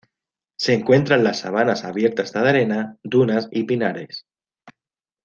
Se encuentra en la sabanas abiertas de arena, dunas y pinares.